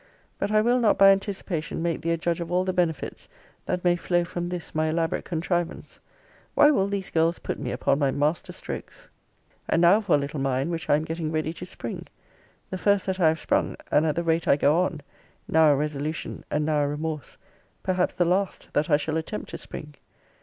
But I will not by anticipation make thee a judge of all the benefits that may flow from this my elaborate contrivance. Why will these girls put me upon my master strokes? And now for a little mine which I am getting ready to spring. The first that I have sprung, and at the rate I go on (now a resolution, and now a remorse) perhaps the last that I shall attempt to spring.